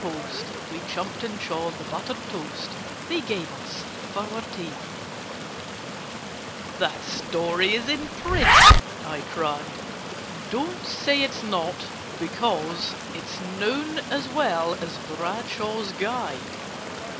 [Picture: We chumped and chawed the buttered toast] "That story is in print!" I cried. "Don't say it's not, because It's known as well as Bradshaw's Guide!"